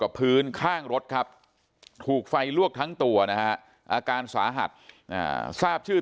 พื้นข้างรถครับถูกไฟลวกทั้งตัวนะฮะอาการสาหัสทราบชื่อ